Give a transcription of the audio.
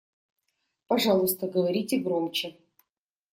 Пожалуйста, говорите громче.